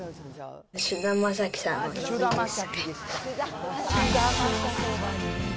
菅田将暉さんの虹です。